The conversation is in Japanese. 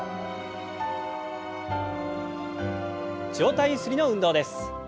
上体ゆすりの運動です。